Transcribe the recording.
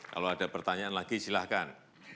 kalau ada pertanyaan lagi silahkan